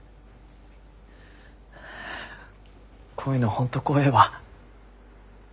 こういうの本当怖えわ。